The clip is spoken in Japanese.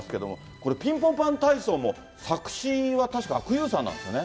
これ、ピンポンパン体操も、作詞は確か阿久悠さんなんですよね。